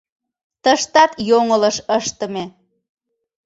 — Тыштат йоҥылыш ыштыме...